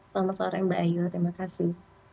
selamat sore mbak ayu terima kasih